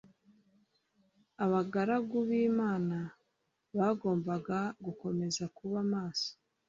Abagaragu b Imana bagombaga gukomeza kuba maso